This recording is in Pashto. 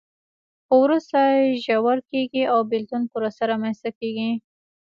خو وروسته ژور کېږي او بېلتون پروسه رامنځته کوي.